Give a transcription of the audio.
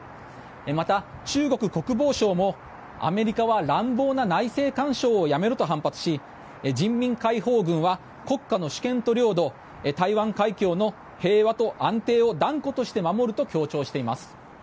また、中国国防省もアメリカは乱暴な内政干渉をやめろと反発し人民解放軍は国家の主権と領土台湾海峡の平和と安定を断固として守ると強調しています。